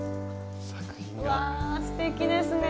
うわすてきですね。